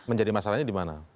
menjadi masalahnya dimana